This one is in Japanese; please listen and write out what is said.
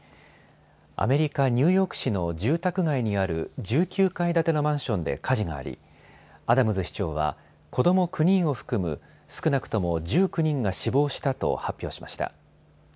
アメリカ・ニューヨーク市の住宅街にある１９階建てのマンションで火事がありアダムズ市長は子ども９人を含む少なくとも１９人が死亡したと発表しました。